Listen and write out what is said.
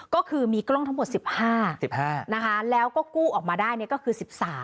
ก็คือมีกล้องทั้งหมด๑๕๑๕นะคะแล้วก็กู้ออกมาได้ก็คือ๑๓